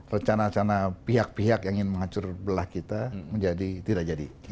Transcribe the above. rencana rencana pihak pihak yang ingin menghancur belah kita menjadi tidak jadi